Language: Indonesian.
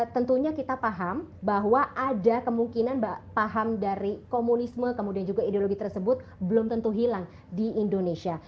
tentunya kita paham bahwa ada kemungkinan paham dari komunisme kemudian juga ideologi tersebut belum tentu hilang di indonesia